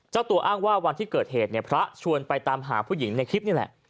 เจ้าตัวอ้างว่าวันที่เกิดเหตุเนี่ยพระชวนไปตามหาผู้หญิงในคลิปนี่แหละ